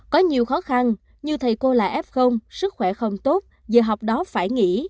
có nhiều khó khăn như thầy cô là f sức khỏe không tốt giờ học đó phải nghỉ